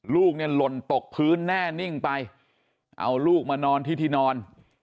ลูกเนี่ยหล่นตกพื้นแน่นิ่งไปเอาลูกมานอนที่ที่นอน